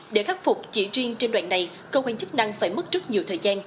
để khắc phục chỉ riêng trên đoạn này cơ quan chức năng phải mất rất nhiều thời gian